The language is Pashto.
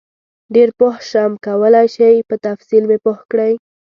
ډېر پوه شم کولای شئ په تفصیل مې پوه کړئ؟